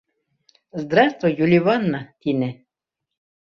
— Здравствуй, Юливанна! — тине.